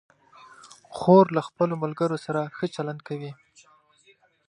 خور له خپلو ملګرو سره ښه چلند کوي.